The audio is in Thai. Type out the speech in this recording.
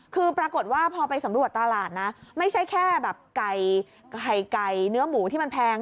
คือปรากฏว่าพอไปสำรวจตลาดนะไม่ใช่แค่แบบไก่ไข่ไก่เนื้อหมูที่มันแพง